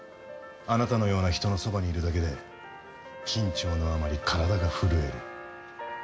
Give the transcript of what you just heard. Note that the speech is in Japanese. あなたのような人のそばにいるだけで緊張のあまり体が震える。